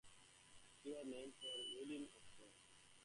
She was named for Weedon Osborne.